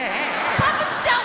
サブちゃん！